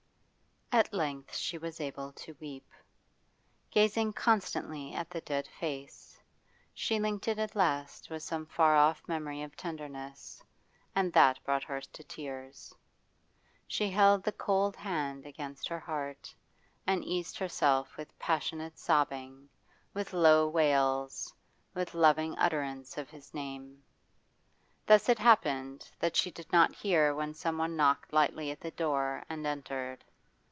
At length she was able to weep. Gazing constantly at the dead face, she linked it at last with some far off memory of tenderness, and that brought her tears. She held the cold hand against her heart and eased herself with passionate sobbing, with low wails, with loving utterance of his name. Thus it happened that she did not hear when someone knocked lightly at the door and entered.